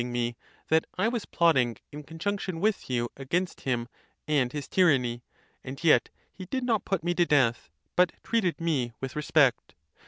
587 ing me, that I was plotting in conjunction with you against him and his tyranny, and yet he did not put me to death, but treated me with respect.